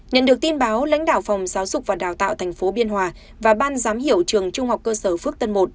nhận được tin báo lãnh đạo phòng giáo dục và đào tạo tp biên hòa và ban giám hiệu trường trung học cơ sở phước tân một